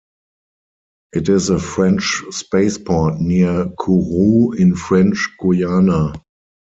It is a French spaceport near Kourou in French Guiana.